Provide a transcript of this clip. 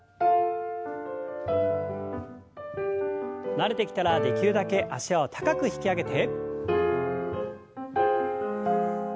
慣れてきたらできるだけ脚を高く引き上げて。